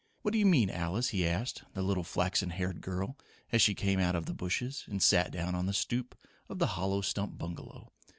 What do you mean, Alice?" he asked the little flaxen haired girl as she came out of the bushes and sat down on the stoop of the hollow stump bungalow.